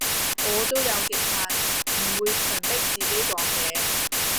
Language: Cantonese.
我都有極限，唔會強迫自己講嘢